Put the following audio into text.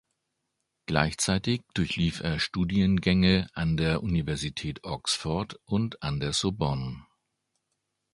Gleichzeitig durchlief er Studiengänge an der Universität Oxford und an der Sorbonne.